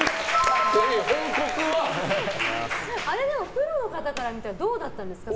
プロの方から見たらどうだったんですか？